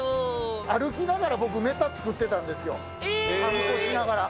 歩きながら僕、ネタ作ってたんですよ、散歩しながら。